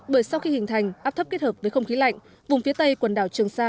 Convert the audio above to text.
bởi sau khi hình thành áp thấp kết hợp với không khí lạnh vùng phía tây quần đảo trường sa